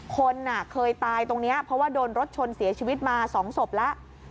คนเคยตายตรงนี้เพราะว่าโดนรถชนเสียชีวิตมา๒ศพแล้ว